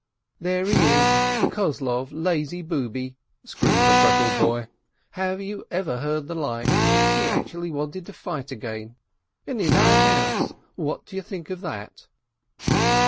"There he is, the Kozlov lazy booby!" screamed the freckled boy. "Have you ever heard the like? He actually wanted to fight again, and in our house ! What do you think of that?"